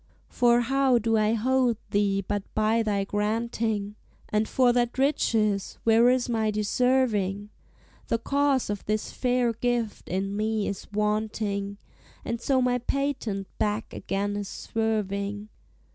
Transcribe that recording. For how do I hold thee but by thy granting? And for that riches where is my deserving? The cause of this fair gift in me is wanting, And so my patent back again is swerving.